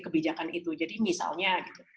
kebijakan itu jadi misalnya